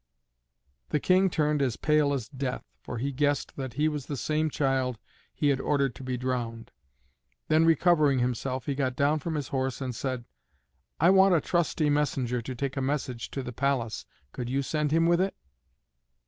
The King turned as pale as death, for he guessed that he was the same child he had ordered to be drowned. Then recovering himself he got down from his horse and said: "I want a trusty messenger to take a message to the palace, could you send him with it?"